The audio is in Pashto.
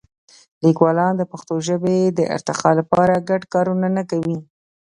لیکوالان د پښتو ژبې د ارتقا لپاره ګډ کار نه کوي.